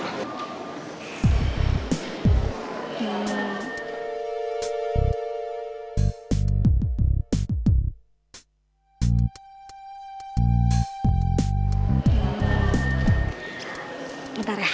kamu ga itu dia apostlesnya